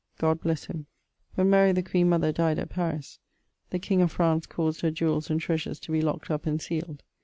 God blesse him. When Mary the queen mother dyed at Paris, the king of Fraunce caused her jewells and treasures to be locked up and sealed.